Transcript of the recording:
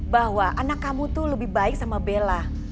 bahwa anak kamu tuh lebih baik sama bella